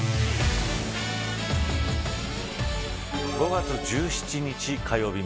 ５月１７日火曜日